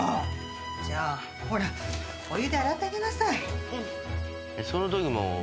じゃあほらお湯で洗ってあげなさい。